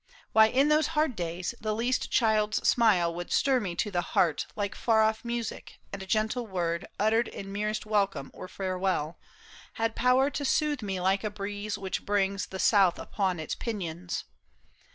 Why, in those hard days The least child's smile would stir me to the heart Like far off music, and a gentle word Uttered in merest welcome or farewell, Had power to. soothe me like a breeze which brings The south up on its pinions.